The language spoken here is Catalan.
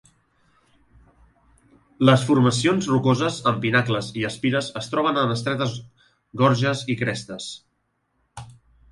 Les formacions rocoses amb pinacles i espires es troben en estretes gorges i crestes.